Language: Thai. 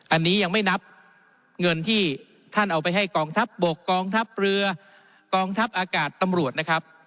อันนี้ยังไม่นับเงินที่ท่านเอาไปให้กองทัพบกกองทัพเรือกองทัพอากาศตำรวจนะครับ